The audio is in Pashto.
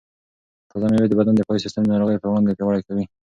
تازه مېوې د بدن دفاعي سیسټم د ناروغیو پر وړاندې پیاوړی کوي.